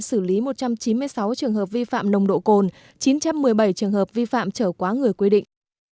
xử lý một trăm chín mươi sáu trường hợp vi phạm nồng độ cồn chín trăm một mươi bảy trường hợp vi phạm trở quá người quy định